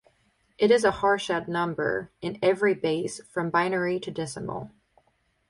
It is a Harshad number in every base from binary to decimal.